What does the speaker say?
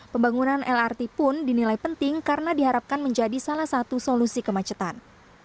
pembangunan lrt pun dinilai penting karena diharapkan menjadi salah satu solusi kemacetan